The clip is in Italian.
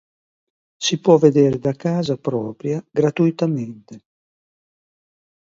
Si può vedere da casa propria gratuitamente.